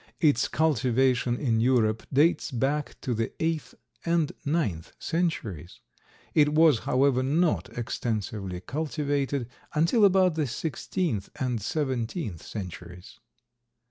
Its cultivation in Europe dates back to the eighth and ninth centuries. It was, however, not extensively cultivated until about the sixteenth and seventeenth centuries.